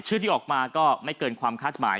ชื่อที่ออกมาก็ไม่เกินความคาดหมาย